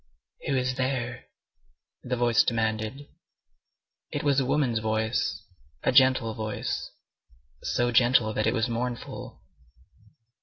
"Who is there?" the voice demanded. It was a woman's voice, a gentle voice, so gentle that it was mournful.